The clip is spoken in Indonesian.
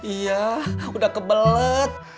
iya udah kebelet